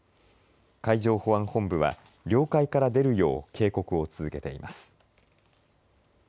海上保安本部は領海から出るよう警告を続けています。